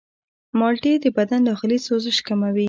مالټې د بدن داخلي سوزش کموي.